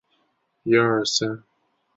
现任校长为韩民。